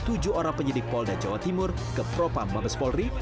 tujuh orang penyidik polda jawa timur ke propam mabes polri